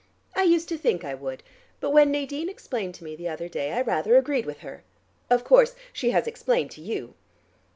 I used to think I would, but when Nadine explained to me the other day, I rather agreed with her. Of course she has explained to you."